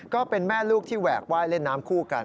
ก็เป็นแม่ลูกที่แหวกไหว้เล่นน้ำคู่กัน